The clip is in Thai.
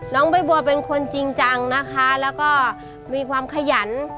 น้องใบบัวเป็นคนจริงจังนะคะแล้วก็มีความขยัน